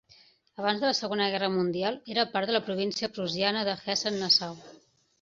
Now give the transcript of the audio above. Abans de la Segona Guerra Mundial era part de la província prussiana de Hessen-Nassau.